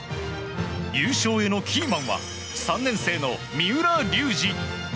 優勝へのキーマンは３年生の三浦龍司。